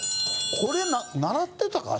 これ習ってたか？